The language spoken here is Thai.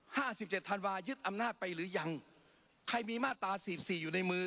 ห้าสิบเจ็ดธันวายึดอำนาจไปหรือยังใครมีมาตราสี่สิบสี่อยู่ในมือ